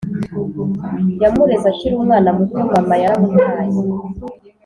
Yamureze akiri umwana muto mama yaramutaye